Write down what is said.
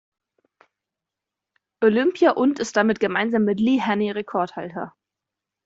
Olympia und ist damit gemeinsam mit Lee Haney Rekordhalter.